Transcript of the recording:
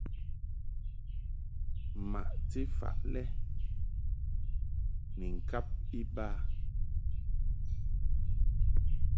Maʼti faʼ lɛ ni ŋkab iba.